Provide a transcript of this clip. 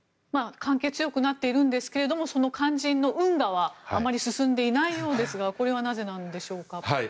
関係強くなっているんですけどもその肝心の運河はあまり進んでいないようですがこれは、なぜなんでしょうか。